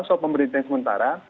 soal pemberhentian sementara